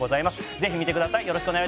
ぜひ見てください。